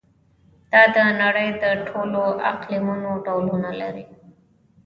دا د نړۍ د ټولو اقلیمونو ډولونه لري.